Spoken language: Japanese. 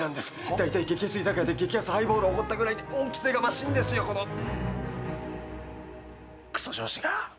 大体、激安居酒屋で激安ハイボールおごったぐらいで恩着せがましいんですよ、このくそ上司が。